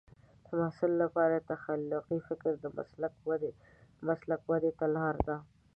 د محصل لپاره تخلیقي فکر د مسلک ودې ته لار ده.